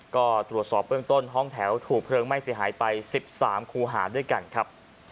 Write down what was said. ก็ตรวจสอบเบื้องต้นห้องแถวถูกเพลิงไหม้เสียหายไป๑๓คูหาด้วยกันครับ